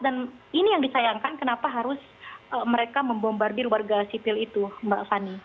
dan ini yang disayangkan kenapa harus mereka membombardir warga sipil itu mbak fani